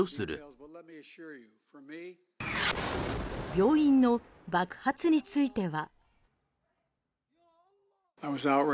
病院の爆発については。